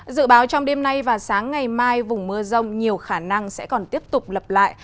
dự báo trong đêm nay và sáng ngày mai vùng mưa rông nhiều khả năng sẽ còn tiếp tục lập lại